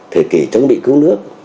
thời kỳ chống bị cứu nước